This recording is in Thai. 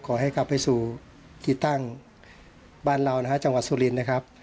ขอให้กลับไปสู่ที่ตั้งบ้านเรานะฮะจังหวัดสุรินทร์นะครับ